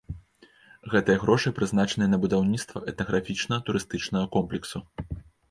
Гэтыя грошы прызначаныя на будаўніцтва этнаграфічнага турыстычнага комплексу.